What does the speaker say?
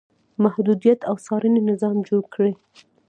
محدودیت او څارنې نظام جوړ کړي.